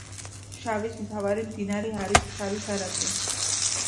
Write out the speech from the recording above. ფშავის მთავარი მდინარე არის ფშავის არაგვი.